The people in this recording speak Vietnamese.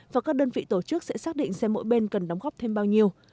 và các đơn vị tổ chức sẽ xác định xem mỗi bên cần đóng góp thêm bao nhiêu